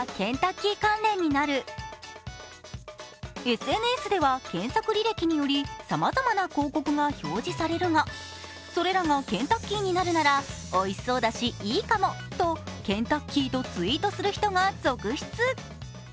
ＳＮＳでは検索履歴によりさまざまな広告が表示されるがそれらがケンタッキーになるならおいしそうだし、いいかもと「ケンタッキー」とツイートする人が続出。